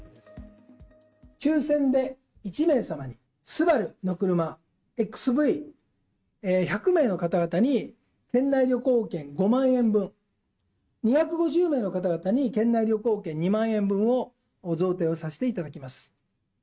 抽せんで１名様に、ＳＵＢＡＲＵの車、ＸＶ、１００名の方々に、県内旅行券５万円分、２５０名の方々に、県内旅行券２万円分を贈呈をさせていただきます。